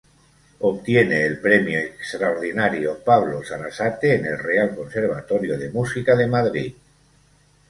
Obtiene el premio extraordinario Pablo Sarasate en el Real Conservatorio de Música de Madrid.